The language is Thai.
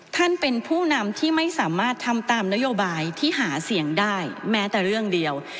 ท่านเป็นผู้นำที่ไม่สามารถทำตามนโยบายที่หาเสียงได้แม้แต่เรื่องเดียว